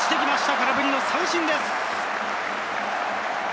空振り三振です！